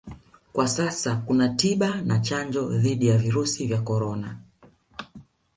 Kwa sasa kuna tiba na chanjo dhidi ya virusi vya Corona